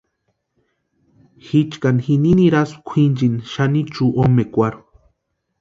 Jichkani jini niraspka kwʼinchini Xanicho omekwarhu.